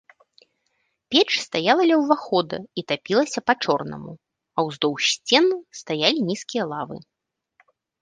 Печ стаяла ля ўвахода і тапілася па-чорнаму, а ўздоўж сцен стаялі нізкія лавы.